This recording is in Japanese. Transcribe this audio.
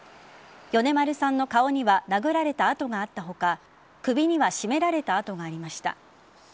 米丸さんの顔には殴られた痕があった他首には絞められた痕がありました。